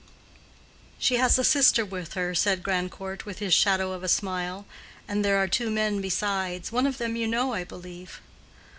"She has a sister with her," said Grandcourt, with his shadow of a smile, "and there are two men besides—one of them you know, I believe."